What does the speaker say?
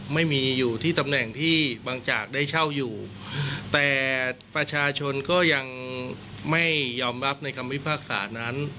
ไม่มีอยู่ที่ตำแหน่งที่บางจากได้เช่าอยู่แต่ประชาชนก็ยังไม่ยอมรับในคำพิพากษานั้น